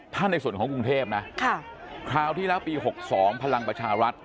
ถ้าในส่วนของกรุงเทพนะคราวที่แล้วปี๖๒พลังประชารัฐ